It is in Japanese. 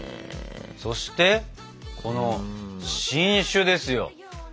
そしてこの新種ですよ。